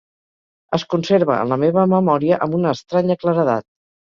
Es conserva en la meva memòria amb una estranya claredat.